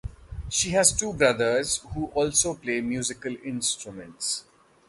She has two brothers who also play musical instruments.